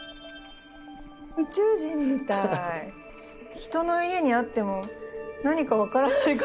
人の家にあっても何か分からないかも。